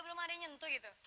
belum ada yang nyentuh gitu